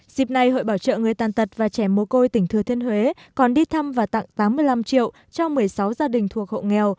dịp này hội bảo trợ người tàn tật và trẻ mồ côi tỉnh thừa thiên huế còn đi thăm và tặng tám mươi năm triệu cho một mươi sáu gia đình thuộc hộ nghèo